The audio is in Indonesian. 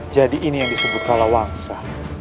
jadi ini yang disebut kalawangsa